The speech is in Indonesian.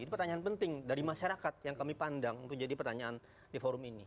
ini pertanyaan penting dari masyarakat yang kami pandang untuk jadi pertanyaan di forum ini